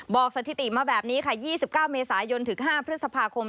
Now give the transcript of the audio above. สถิติมาแบบนี้ค่ะ๒๙เมษายนถึง๕พฤษภาคม